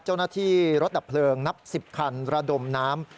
เจ้าหน้าที่รถดับเพลิงนับ๑๐คันระดมน้ำ